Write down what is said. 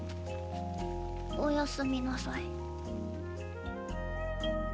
おやすみなさい。